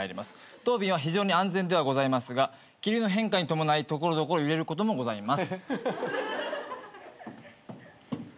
当便は非常に安全ではございますが気流の変化に伴い所々揺れることもございます。